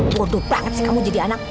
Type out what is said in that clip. bodoh banget sih kamu jadi anak